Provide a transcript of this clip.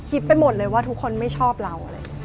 คิดไปหมดเลยว่าทุกคนไม่ชอบเรา